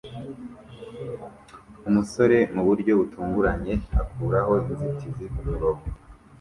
Umusore muburyo butunganye akuraho inzitizi kumurongo